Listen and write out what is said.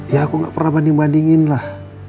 ya aku nggak pernah banding bandingin lah